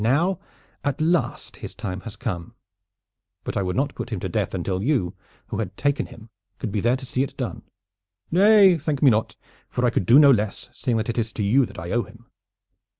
Now at last his time has come; but I would not put him to death until you, who had taken him, could be there to see it done. Nay, thank me not, for I could do no less, seeing that it is to you that I owe him."